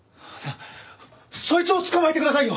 そいつを捕まえてくださいよ！